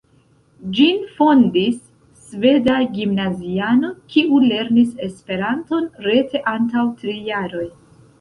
Ĝin fondis sveda gimnaziano, kiu lernis Esperanton rete antaŭ tri jaroj.